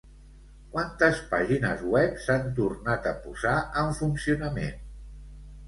Quantes pàgines web s'han tornat a posar en funcionament?